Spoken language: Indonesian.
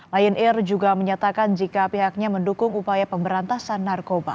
lion air juga menyatakan jika pihaknya mendukung upaya pemberantasan narkoba